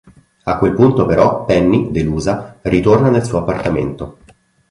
A quel punto però Penny, delusa, ritorna nel suo appartamento.